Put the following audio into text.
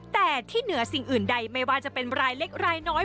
แต่ที่เหนือสิ่งอื่นใดไม่ว่าจะเป็นรายเล็กรายน้อย